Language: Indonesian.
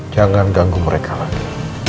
jangan ganggu mereka lagi